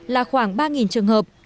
là khoảng ba trường hợp